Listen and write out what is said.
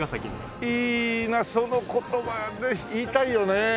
いいなその言葉ね言いたいよね。